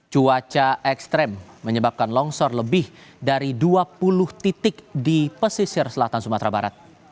cuaca ekstrem menyebabkan longsor lebih dari dua puluh titik di pesisir